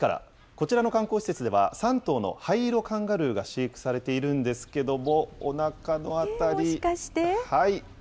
こちらの観光施設では、３頭のハイイロカンガルーが飼育されているんですけれども、おなもしかして？